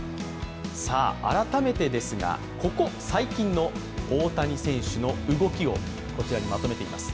改めて、ここ最近の大谷選手の動きをこちらにまとめています。